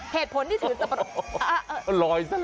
เหตุผลที่ถือสับปะรด